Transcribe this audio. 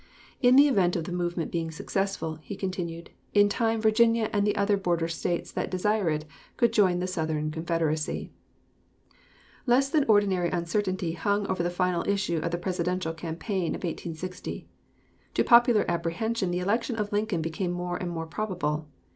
"In the event of the movement being successful," he continued, "in time Virginia and the other border States that desired it could join the Southern Confederacy." Less than ordinary uncertainty hung over the final issue of the Presidential campaign of 1860. To popular apprehension the election of Lincoln became more and more probable.